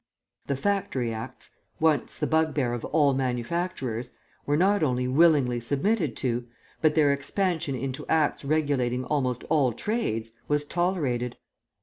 The Factory Acts, once the bugbear of all manufacturers, were not only willingly submitted to, but their expansion into acts regulating almost all trades, was tolerated.